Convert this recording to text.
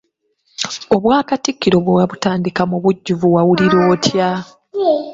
Obwakatikkiro bwe wabutandika mu bujjuvu wawulira otya?